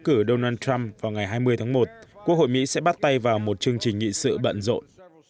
cử donald trump vào ngày hai mươi tháng một quốc hội mỹ sẽ bắt tay vào một chương trình nghị sự bận rộn